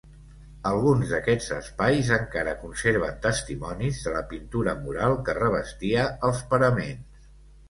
Alguns d'aquests espais encara conserven testimonis de la pintura mural que revestia els paraments.